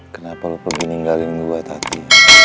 kenapa lo pergi ninggalin gue tadi